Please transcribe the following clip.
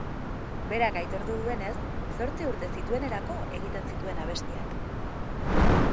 Berak aitortu duenez, zortzi urte zituenerako egiten zituen abestiak.